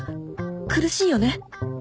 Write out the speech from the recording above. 苦しいよね